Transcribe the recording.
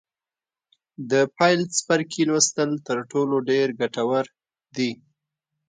د پیل څپرکي لوستل تر ټولو ډېر ګټور دي.